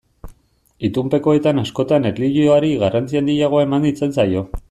Itunpekoetan askotan erlijioari garrantzi handiagoa eman izan zaio.